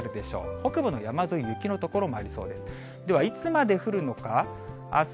北部の山沿い、雪の所もありそうです。